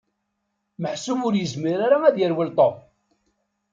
Meḥsub ur yezmir ara ad yerwel Tom.